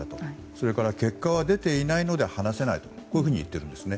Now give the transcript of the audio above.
それから結果は出ていないので話せないと言ってるんですね。